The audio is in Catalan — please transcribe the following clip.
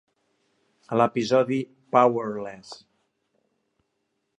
A l'episodi "Powerless!"